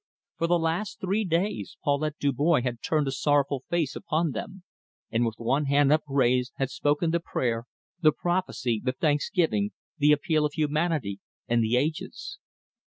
For the last three days Paulette Dubois had turned a sorrowful face upon them, and with one hand upraised had spoken the prayer, the prophecy, the thanksgiving, the appeal of humanity and the ages.